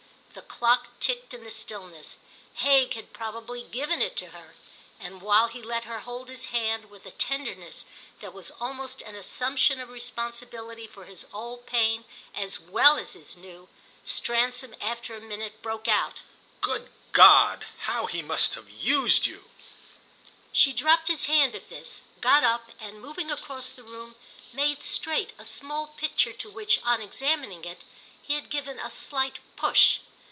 The clock ticked in the stillness—Hague had probably given it to her—and while he let her hold his hand with a tenderness that was almost an assumption of responsibility for his old pain as well as his new, Stransom after a minute broke out: "Good God, how he must have used you!" She dropped his hand at this, got up and, moving across the room, made straight a small picture to which, on examining it, he had given a slight push.